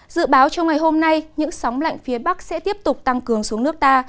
dự báo trong ngày hôm nay những sóng lạnh phía bắc sẽ tiếp tục tăng cường xuống nước ta